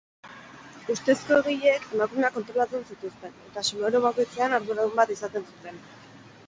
Ustezko egileek emakumeak kontrolatzen zituzten, eta solairu bakoitzean arduradun bat izaten zuten.